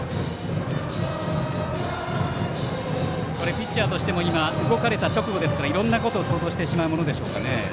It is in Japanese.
ピッチャーとしても動かれた直後ですからいろんなことを想像してしまうものでしょうか。